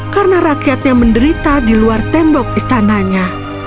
karena rakyatnya menderita di luar tembok istananya